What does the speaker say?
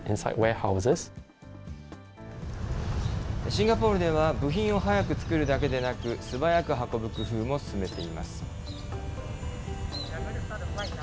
シンガポールでは部品を早く作るだけでなく、素早く運ぶ工夫も進めています。